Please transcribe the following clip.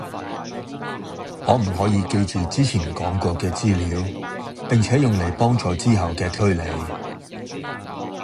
可唔可以記住之前講過嘅資料，並且用嚟幫助之後嘅推理